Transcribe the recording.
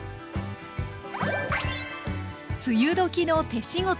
梅雨時の「手仕事」。